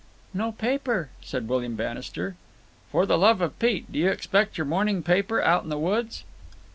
"No paper," said William Bannister. "For the love of Pete! Do you expect your morning paper out in the woods?"